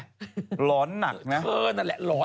ร้อนหนักนะเออนั่นแหละร้อน